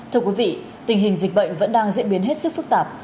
thưa quý vị tình hình dịch bệnh vẫn đang diễn biến hết sức phức tạp